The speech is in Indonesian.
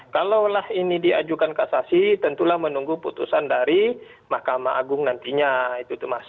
kalaulah ini diajukan kasasi tentulah menunggu putusan dari mahkamah agung nantinya itu tuh mas